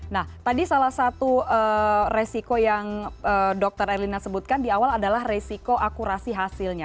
nah tadi salah satu resiko yang dokter erlina sebutkan di awal adalah resiko akurasi hasilnya